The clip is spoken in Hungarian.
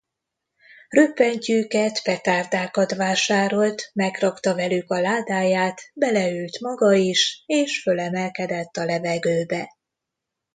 Röppentyűket, petárdákat vásárolt, megrakta velük a ládáját, beleült maga is, és fölemelkedett a levegőbe.